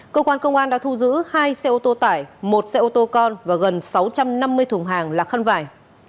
cơ quan công an đã thu giữ hai xe ô tô tải một xe ô tô con và gần sáu trăm năm mươi thùng hàng là khăn vải